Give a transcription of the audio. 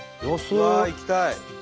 うわ行きたい。